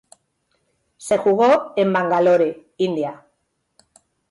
Se jugó en Bangalore, India.